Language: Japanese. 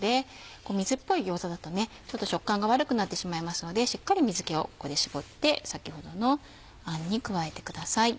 水っぽい餃子だと食感が悪くなってしまいますのでしっかり水気をここで絞って先ほどの餡に加えてください。